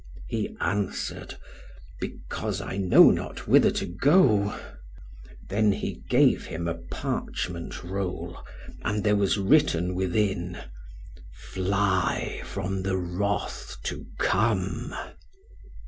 He answered, 'Because I know not whither to go.' Then he gave him a parchment roll, and there was written within, 'Fly from the wrath to come.'"